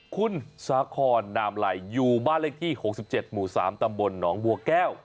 คุณสาคอนนามไหลอยู่บ้านเลขที่๖๗หมู่๓ตำบลหนองบัวแก้ว